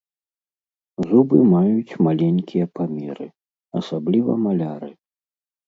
Зубы маюць маленькія памеры, асабліва маляры.